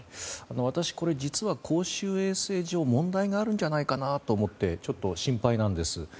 私、実はこれは公衆衛生上問題があるんじゃないかと思ってちょっと心配なんです。